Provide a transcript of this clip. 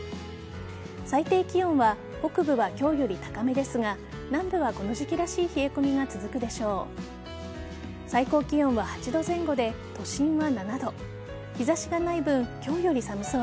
最低気温は北部は今日より高めですが南部はこの時期らしい冷え込みが続くでしょう。